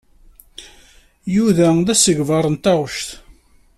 Yuba d asegbar n taɣect.